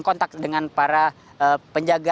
kontak dengan para penjaga